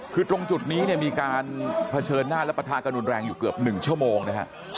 คือตรงจุดนี้เนี่ยมีการเผชิญหน้าและประทากระดุนแรงอยู่เกือบ๑ชั่วโมงนะฮะ